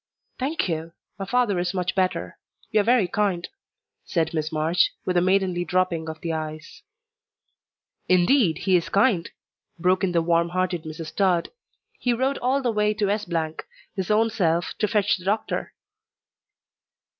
"Thank you! My father is much better. You are very kind," said Miss March, with a maidenly dropping of the eyes. "Indeed he is kind," broke in the warm hearted Mrs. Tod. "He rode all the way to S , his own self, to fetch the doctor."